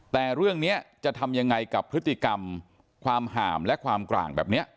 แต่เรื่องนี้จะทำยังไงกับพฤติกรรมความห่ามและความกร่างแบบนี้